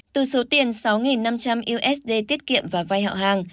từ số tiền sáu năm trăm linh usd tiết kiệm và vai hạo hàng